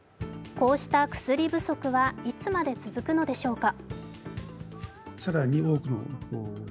こうした薬不足はいつまで続くのでしょうか？